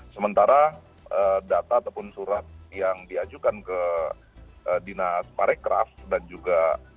sementara data ataupun surat yang diajukan ke dinas parekraf dan juga